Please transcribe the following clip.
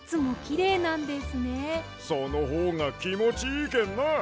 そのほうがきもちいいけんな！